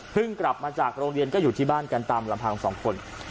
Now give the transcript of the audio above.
กลับมาจากโรงเรียนก็อยู่ที่บ้านกันตามลำพังสองคน